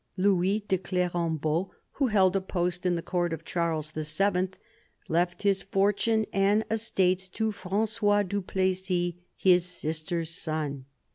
Louis de Clerembault, who held a post in the Court of Charles VII, left his fortune and estates to Francois du Plessis, his sister's son.